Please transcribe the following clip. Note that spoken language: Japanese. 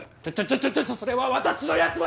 ちょちょちょそれは私のやつ！